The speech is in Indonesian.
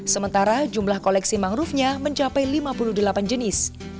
sementara jumlah koleksi mangrovenya mencapai lima puluh delapan jenis